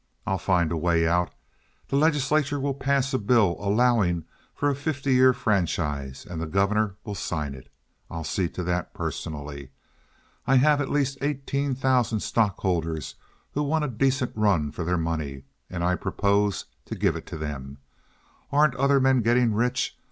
I'll find a way out. The legislature will pass a bill allowing for a fifty year franchise, and the governor will sign it. I'll see to that personally. I have at least eighteen thousand stockholders who want a decent run for their money, and I propose to give it to them. Aren't other men getting rich?